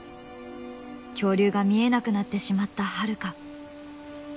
恐竜が見えなくなってしまったハルカ。